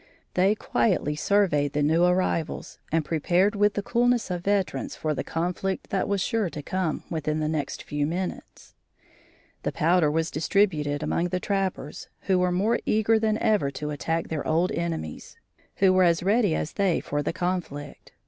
They quietly surveyed the new arrivals and prepared with the coolness of veterans for the conflict that was sure to come, within the next few minutes. The powder was distributed among the trappers, who were more eager than ever to attack their old enemies, who were as ready as they for the conflict.